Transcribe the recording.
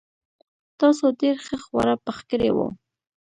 تاسو ډېر ښه خواړه پخ کړي وو.